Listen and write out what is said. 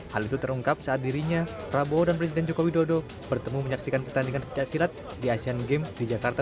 hal itu terungkap saat dirinya prabowo dan presiden joko widodo bertemu menyaksikan pertandingan pecah silat di asean games di jakarta